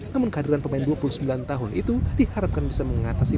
namun kehadiran pemain dua puluh sembilan tahun itu diharapkan bisa mengatasi